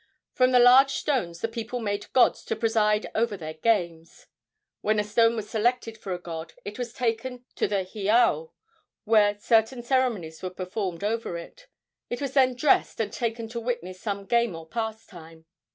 From the large stones the people made gods to preside over their games. When a stone was selected for a god it was taken to the heiau, where certain ceremonies were performed over it. It was then dressed and taken to witness some game or pastime.